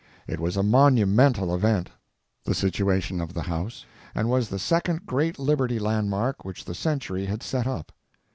It was a monumental event, the situation of the House, and was the second great liberty landmark which the century had set up.